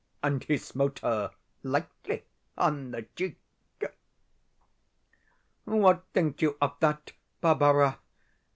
And he smote her lightly on the cheek." What think you of THAT, Barbara?